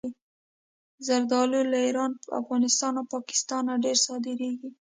زردالو له ایران، افغانستان او پاکستانه ډېره صادرېږي.